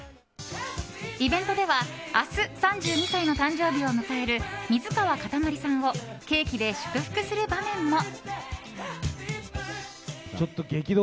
イベントでは明日３２歳の誕生日を迎える水川かたまりさんをケーキで祝福する場面も。